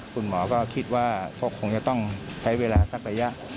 คุณหมอก็คิดว่าก็คงจะต้องใช้เวลาสักระยะ